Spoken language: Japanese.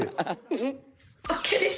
ＯＫです！